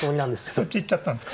そっち行っちゃったんですか。